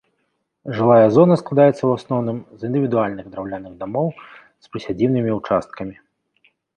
Жылая зона складаецца ў асноўным з індывідуальных драўляных дамоў з прысядзібнымі ўчасткамі.